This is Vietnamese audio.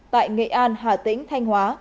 tại nghệ an hà tĩnh thanh hóa